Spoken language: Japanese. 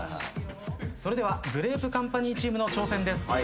それではグレープカンパニーチームの挑戦です。